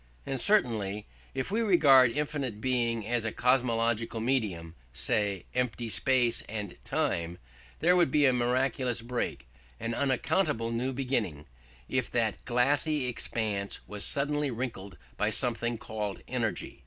And certainly, if we regarded infinite Being as a cosmological medium say, empty space and time there would be a miraculous break, an unaccountable new beginning, if that glassy expanse was suddenly wrinkled by something called energy.